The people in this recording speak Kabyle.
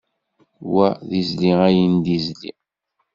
Wa d izli ayen d izli.